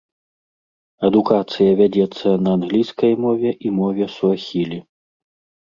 Адукацыя вядзецца на англійскай мове і мове суахілі.